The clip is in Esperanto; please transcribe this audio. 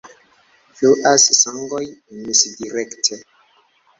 Fluas sangoj misdirekte.